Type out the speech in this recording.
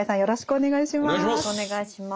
お願いします。